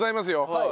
はい。